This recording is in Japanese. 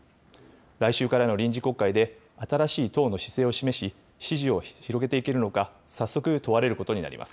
来週からの臨時国会で、新しい党の姿勢を示し、支持を広げていけるのか、早速問われることになります。